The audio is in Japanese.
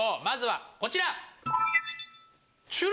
まずはこちら。